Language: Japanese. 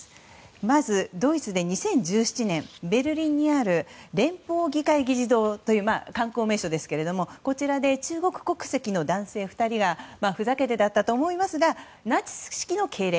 まず、ドイツで２０１７年ベルリンにある連邦議会議事堂という観光名所ですがこちらで中国国籍の男性２人がふざけてだったと思いますがナチス式の敬礼。